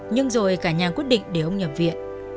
nhưng rồi cả nhà quyết định để ông nhập viện